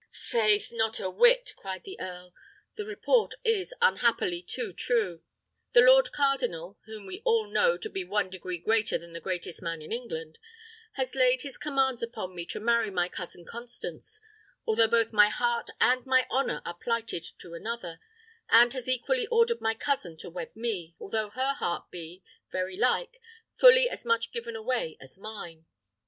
"Faith, not a whit!" cried the earl; "the report is unhappily too true. The lord cardinal, whom we all know to be one degree greater than the greatest man in England, has laid his commands upon me to marry my cousin Constance, although both my heart and my honour are plighted to another, and has equally ordered my cousin to wed me, although her heart be, very like, fully as much given away as mine.